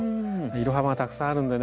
色幅がたくさんあるんでね